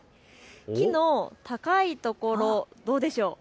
木の高いところ、どうでしょう。